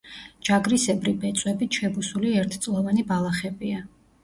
ჯაგრისებრი ბეწვებით შებუსული ერთწლოვანი ბალახებია.